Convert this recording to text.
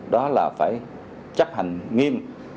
đó là phải chấp hành nghiêm